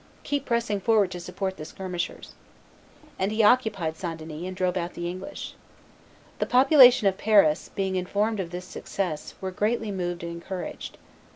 Keep pressing forward to support the skirmishers." And he occupied St. Denis, and drove out the English. The population of Paris, being informed of this success, were greatly moved and encouraged.